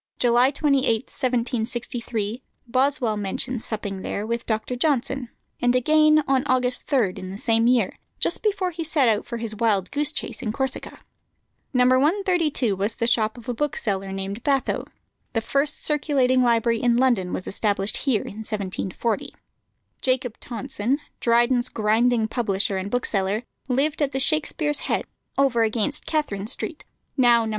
July 28, 1763, Boswell mentions supping there with Dr. Johnson; and again, on August 3, in the same year, just before he set out for his wildgoose chase in Corsica. No. 132 was the shop of a bookseller named Bathoe. The first circulating library in London was established here in 1740. Jacob Tonson, Dryden's grinding publisher and bookseller, lived at the Shakspere's Head, over against Catherine Street, now No.